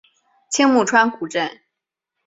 青木川古镇